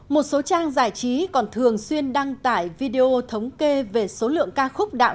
một số trang giải trí còn thường xuyên đăng tải video thống kê về số lượng ca khúc đạo